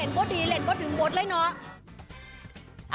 ก็ดีเล่นก็ถึงบทเลยเนาะ